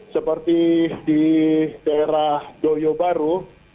seperti di daerah doyobaru